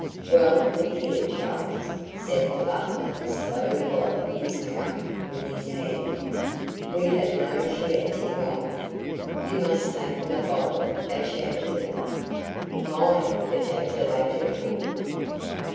"Well, look here, Charles," said the butler, slowly wiping his mouth with his hand, "We have no Chianti wine. You must take them a bottle of Chambertin." "My!" ejaculated cook.